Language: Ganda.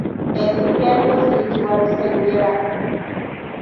Enzige ento ziyitibwa Lusejjera.